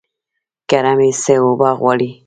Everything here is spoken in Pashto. ګرمي څه اوبه غواړي؟